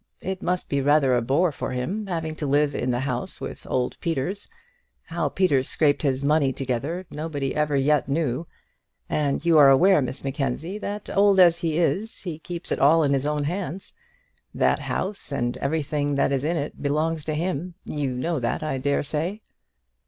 It must be rather a bore for him having to live in the house with old Peters. How Peters scraped his money together, nobody ever knew yet; and you are aware, Miss Mackenzie, that old as he is, he keeps it all in his own hands. That house, and everything that is in it, belongs to him; you know that, I dare say."